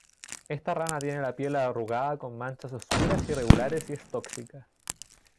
Esta rana tiene la piel arrugada con manchas oscuras irregulares y es tóxica.